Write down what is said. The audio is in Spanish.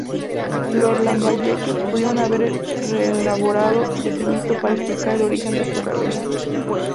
Los lambayeque pudieron haber reelaborado ese mito para explicar el origen de su realeza.